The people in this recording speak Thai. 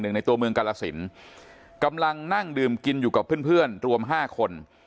หนึ่งในตัวมือกรสินกำลังนั่งดื่มกินอยู่กับเพื่อนรวม๕คน